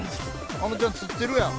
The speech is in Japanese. あのちゃん釣ってるやん。